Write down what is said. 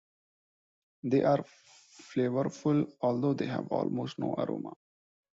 They are flavorful, although they have almost no aroma.